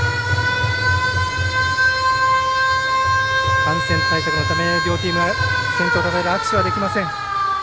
感染対策のため両チーム、握手はできません。